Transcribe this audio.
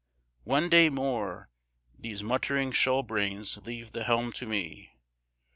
One day more These muttering shoalbrains leave the helm to me.